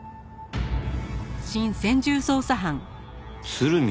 鶴見